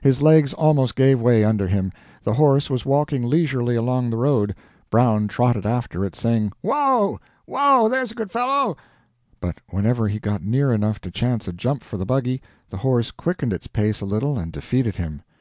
His legs almost gave way under him. The horse was walking leisurely along the road. Brown trotted after it, saying, "Whoa, whoa, there's a good fellow;" but whenever he got near enough to chance a jump for the buggy, the horse quickened its pace a little and defeated him.